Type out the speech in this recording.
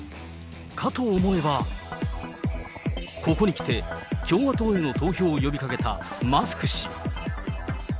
かと思えば、ここにきて、共和党への投票を呼びかけたマスク氏。